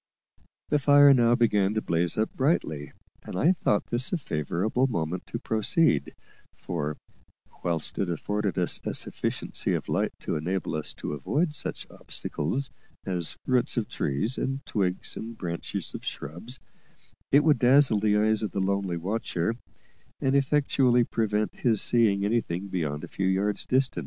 The fire now began to blaze up brightly, and I thought this a favourable moment to proceed; for, whilst it afforded us a sufficiency of light to enable us to avoid such obstacles as roots of trees and twigs and branches of shrubs, it would dazzle the eyes of the lonely watcher, and effectually prevent his seeing anything beyond a few yards distant.